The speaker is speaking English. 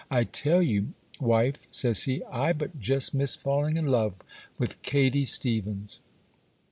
"I tell you, wife," says he, "I but just missed falling in love with Katy Stephens."